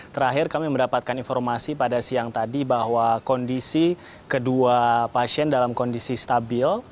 terakhir kami mendapatkan informasi pada siang tadi bahwa kondisi kedua pasien dalam kondisi stabil